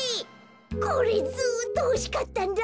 これずっとほしかったんだ。